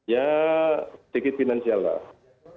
ya dikit finansial lah